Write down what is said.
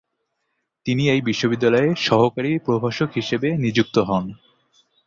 তিনি এই বিশ্ববিদ্যালয়ে সহকারী প্রভাষক হিসেবে নিযুক্ত হন।